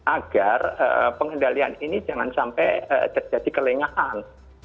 agar pengendalian ini jangan sampai terjadi kelengahan